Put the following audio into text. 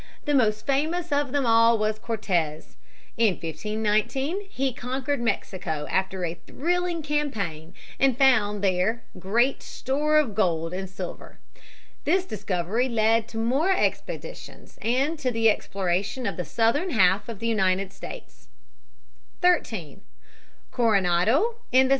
The most famous of them all was Cortez. In 1519 he conquered Mexico after a thrilling campaign and found there great store of gold and silver. This discovery led to more expeditions and to the exploration of the southern half of the United States. [Sidenote: Coronado sets out from Mexico, 1540.